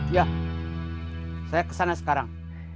ya saya kesana sekarang